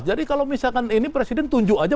jadi kalau misalkan ini presiden tunjuk aja